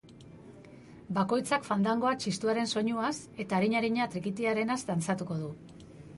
Bakoitzak fandangoa txistuaren soinuaz eta arin-arina trikitiarenaz dantzatuko du.